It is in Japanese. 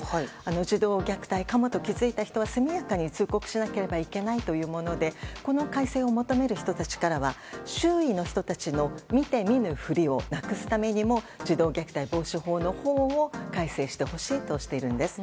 児童虐待かもと気づいた人は速やかに通告しなければいけないというものでこの改正を求める人たちからは周囲の人たちの見て見ぬふりをなくすためにも児童虐待防止法のほうも改正してほしいとしているんです。